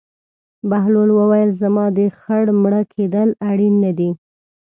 بهلول وویل: زما د خر مړه کېدل اړین نه دي.